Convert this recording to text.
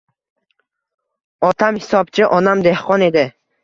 Otam hisobchi, onam dehqon edi.